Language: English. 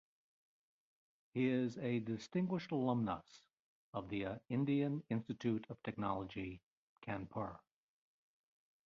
He is a Distinguished Alumnus of the Indian Institute of Technology, Kanpur.